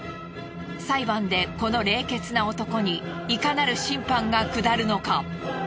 裁判でこの冷血な男にいかなる審判が下るのか？